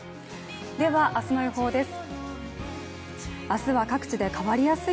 では明日の予報です。